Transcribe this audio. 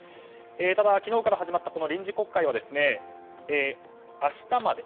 ただ、昨日から始まった臨時国会は明日まで。